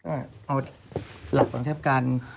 เอาหลักบัญชาปการณ์